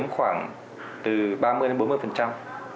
khoảng từ ba mươi đến bốn mươi